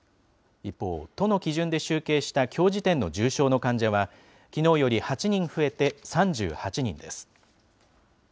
一方、都の基準で集計したきょう時点の重症の患者は、きのうより８人増えて３８人です。